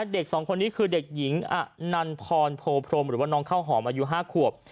เด็กสองคนนี้คือเด็กหญิงอนันพรโพพรมหรือว่าน้องข้าวหอมอายุ๕ขวบ